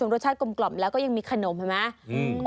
รสชาติกลมแล้วก็ยังมีขนมเห็นไหม